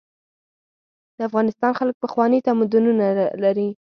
د افغانستان خلک پخواني تمدنونه لري.